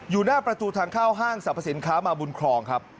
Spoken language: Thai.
อยู่หน้าประตูทางเข้าห้างสรรพสินค้ามาบุญครองครับ